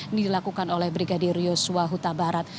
ini dilakukan oleh brigadir yosua huta barat